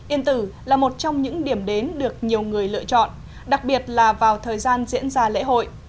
yên tử là một trong những điểm đến được nhiều người lựa chọn đặc biệt là vào thời gian diễn ra lễ hội